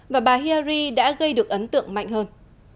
và bà hiar đã gây được ấn tượng mạnh hơn